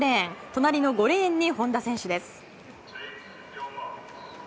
隣の５レーンに本多選手です。